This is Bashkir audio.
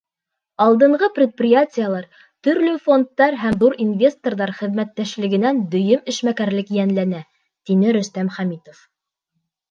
Алдынғы предприятиелар, төрлө фондтар һәм ҙур инвесторҙар хеҙмәттәшлегенән дөйөм эшмәкәрлек йәнләнә, — тине Рөстәм Хәмитов.